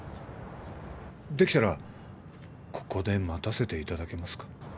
できたらここで待たせていただけますか？